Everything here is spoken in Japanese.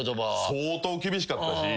相当厳しかったし。